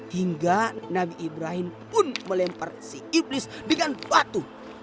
hingga nabi ibrahim pun melempar si iblis dengan batu